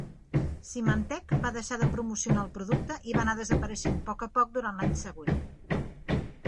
Symantec va deixar de promocionar el producte i va anar desapareixent poc a poc durant l'any següent.